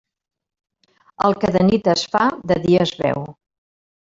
El que de nit es fa, de dia es veu.